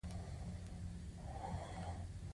هیواد دې تل ژوندی وي.